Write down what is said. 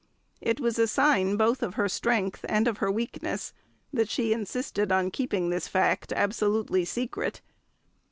It was a sign both of her strength and of her weakness that she insisted on keeping this fact absolutely secret.